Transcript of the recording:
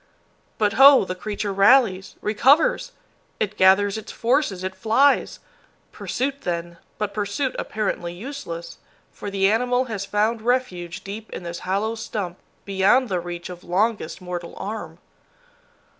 But ho! the creature rallies recovers! It gathers its forces, it flies! Pursuit then, but pursuit apparently useless, for the animal has found refuge deep in this hollow stump, beyond the reach of longest mortal arm!